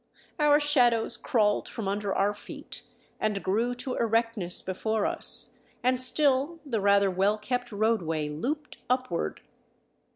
Our shadows crawled from under our feet and grew to erectness before us, and still the rather well kept roadway looped upward.